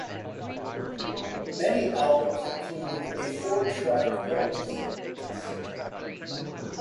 Many albums included a four-track bonus disc.